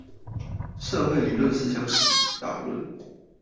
社會理論思想史導論